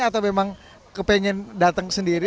atau memang kepengen datang sendiri